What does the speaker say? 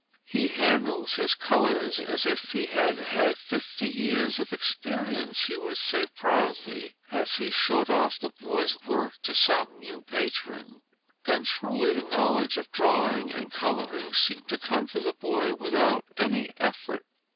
'He handles his colours as if he had had fifty years of experience,' he would say proudly, as he showed off the boy's work to some new patron. And truly the knowledge of drawing and colouring seemed to come to the boy without any effort.